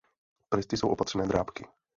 Prsty jsou opatřené drápky.